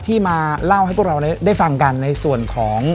ที่มาเล่าให้พวกเราได้ฟังกันในส่วนของ